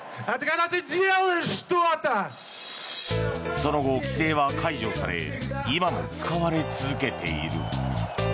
その後、規制は解除され今も使われ続けている。